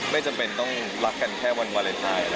ไม่จำเป็นต้องรักกันแค่วันวาเลนไทย